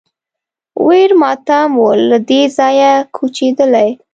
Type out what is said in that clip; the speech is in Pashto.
ویر ماتم و له دې ځایه کوچېدلی